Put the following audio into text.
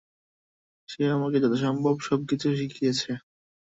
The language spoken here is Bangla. সে আমাকে যথাসম্ভব সবকিছু শিখিয়েছে।